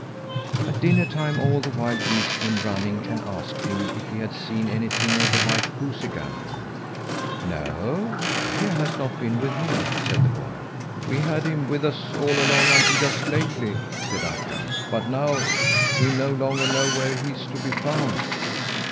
At dinner time all the wild geese came running and asked him if he had seen anything of the white goosey gander. "No, he has not been with me," said the boy. "We had him with us all along until just lately," said Akka, "but now we no longer know where he's to be found."